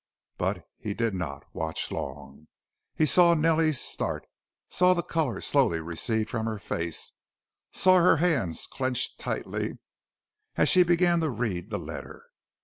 But he did not, watch long. He saw Nellie start, saw the color slowly recede from her face, saw her hands clench tightly as she began to read the letter.